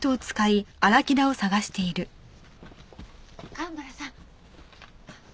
蒲原さん。